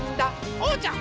おうちゃん！